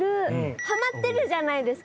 はまってるじゃないですか。